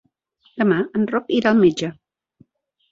Demà en Roc irà al metge.